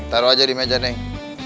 taruh aja di meja nih